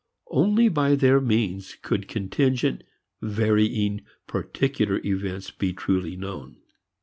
Only by their means could contingent, varying particular events be truly known.